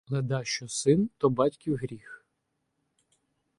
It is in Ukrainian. Ледащо син — то батьків гріх.